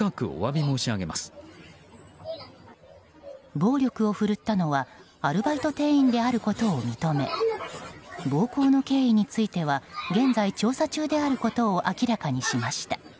暴力をふるったのはアルバイト店員であることを認め暴行の経緯については現在調査中であることを明らかにしました。